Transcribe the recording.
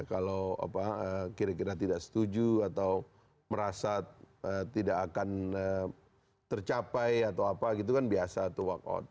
kalau kira kira tidak setuju atau merasa tidak akan tercapai atau apa gitu kan biasa itu walk out